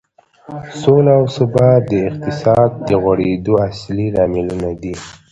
سوله او ثبات د اقتصادي غوړېدو اصلي لاملونه دي.